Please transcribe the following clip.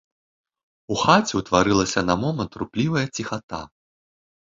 У хаце ўтварылася на момант руплівая ціхата.